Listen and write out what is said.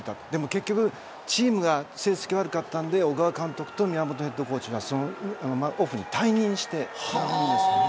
結局チームの成績が悪かったので小川監督と宮本ヘッドコーチがオフに退任して。